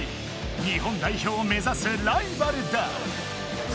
日本代表をめざすライバルだ。